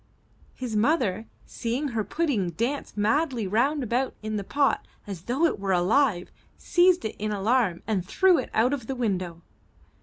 His mother, seeing her pudding dance madly round about in the pot as though it were alive, seized it in alarm and threw it out of the window.